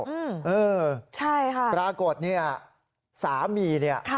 อืมเออใช่ค่ะปรากฏเนี่ยสามีเนี่ย